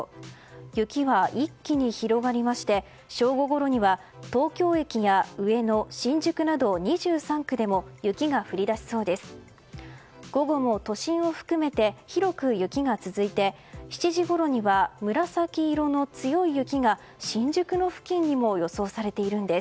雪は一気に広がりまして正午ごろには東京駅や上野、新宿など２３区でも雪が降り出しそうです。